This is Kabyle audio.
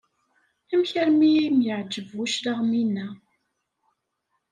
Amek armi i am-yeɛǧeb bu claɣem-ina?